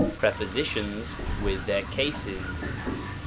Prepositions with their Cases.